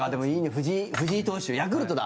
藤井投手、ヤクルトだ。